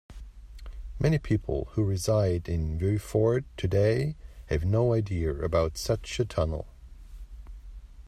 Many people who reside in Vieux-Fort today have no idea about such a tunnel.